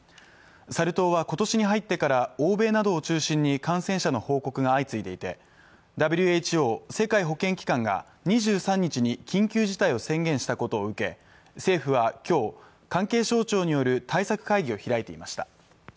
サル痘は今年に入ってから欧米などを中心に感染者の報告が相次いでいてＷＨＯ＝世界保健機関が２３日に緊急事態を宣言したことを受け、政府は今日、関係省庁による対策会議を開いていました。